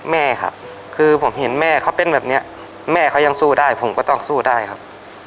แม่ครับคือผมเห็นแม่เขาเป็นแบบนี้แม่เขายังสู้ได้ผมก็ต้องสู้ได้ครับ